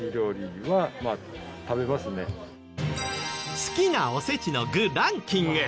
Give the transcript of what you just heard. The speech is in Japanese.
好きなおせちの具ランキング。